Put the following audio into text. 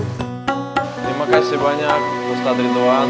terima kasih banyak ustadz ridwan